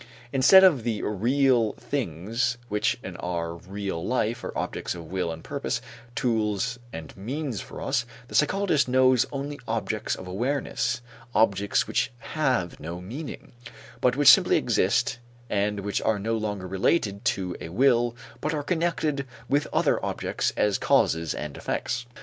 Instead of the real things which in our real life are objects of will and purpose, tools and means for us, the psychologist knows only objects of awareness, objects which have no meaning, but which simply exist and which are no longer related to a will but are connected with other objects as causes and effects.